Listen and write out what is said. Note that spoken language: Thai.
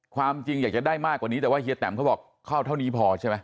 ความจริงอยากจะได้มากกว่านี้แต่ว่าเฮียแตมเขาบอกเข้าเท่านี้พอใช่ไหม